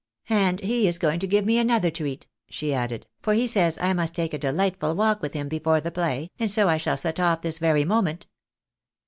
" And he is going to give me another treat," she added ;" for he says I must take a delightful walk with him before the play, and so I shall set off this" very moment."